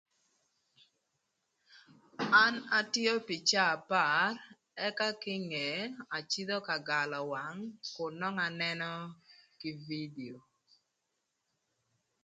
An atio pï caa apar ëka kinge acïdhö ka galö wang kun nongo anënö kï bidio.